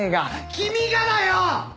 君がだよ‼